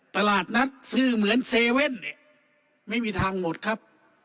ตลาดนัดซื้อเหมือนเซเว่นเนี่ยไม่มีทางหมดครับ